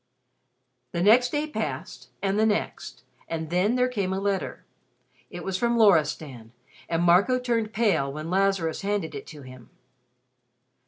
The next day passed, and the next; and then there came a letter. It was from Loristan, and Marco turned pale when Lazarus handed it to him.